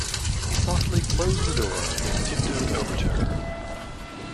He softly closed the door and tiptoed over to her.